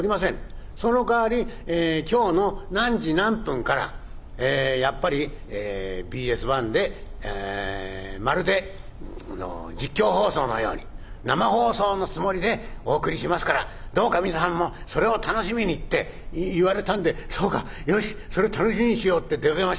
そのかわり今日の何時何分からやっぱりＢＳ１でまるで実況放送のように生放送のつもりでお送りしますからどうか皆さんもそれを楽しみに」って言われたんで「そうか。よしそれ楽しみにしよう」って出かけました。